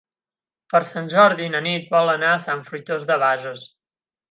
Per Sant Jordi na Nit vol anar a Sant Fruitós de Bages.